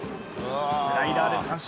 スライダーで三振。